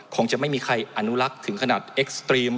คงจะไม่มีใครอนุรักษ์ถึงขนาดเอ็กซ์ตรีม